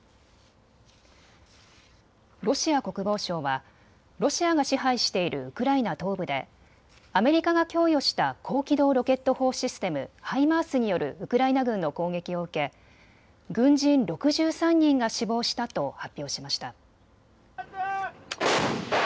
ロシア国防省はロシアが支配しているウクライナ東部でアメリカが供与した高機動ロケット砲システム・ハイマースによるウクライナ軍の攻撃を受け軍人６３人が死亡したと発表しました。